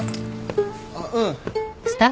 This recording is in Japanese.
あっうん。